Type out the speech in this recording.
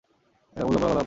এরকম লম্বা গলাওয়ালা পাখি।